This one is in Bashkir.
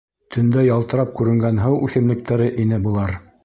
Төндә ялтырап күренгән һыу үҫемлектәре ине былар.